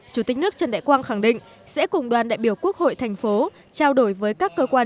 chủ tịch nước trần đại quang khẳng định sẽ cùng đoàn đại biểu quốc hội thành phố trao đổi với các cơ quan